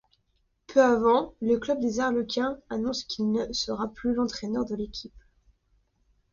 Peu avant, le club des Harlequins annonce qu'il ne sera plus l'entraîneur de l'équipe.